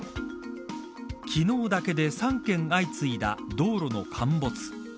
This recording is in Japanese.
昨日だけで３件相次いだ道路の陥没。